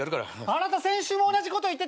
あなた先週も同じこと言ってたじゃないのよ！